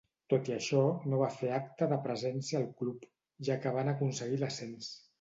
Tot i això, no va fer acte de presència al club, ja que van aconseguir l'ascens.